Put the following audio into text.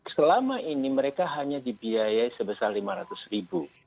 selama ini mereka hanya dibiayai sebesar lima ratus ribu